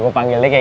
tunggu aku kan